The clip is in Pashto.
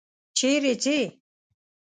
چیرې څې؟